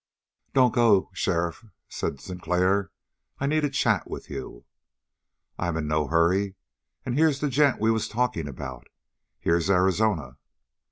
"Don't go sheriff," said Sinclair. "I need a chat with you." "I'm in no hurry. And here's the gent we was talking about. Here's Arizona!"